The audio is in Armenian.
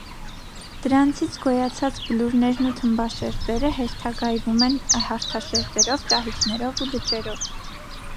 Դրանցից գոյացած բլուրներն ու թմբաշերտերը հերթագայվում են հարթաշերտերով, ճահիճներով ու լճերով։